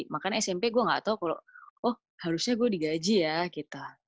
makanya smp gue gak tau kalau oh harusnya gue digaji ya gitu